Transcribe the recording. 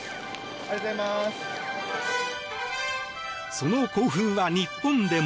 その興奮は日本でも。